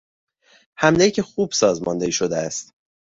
حملهای که خوب سازماندهی شده است.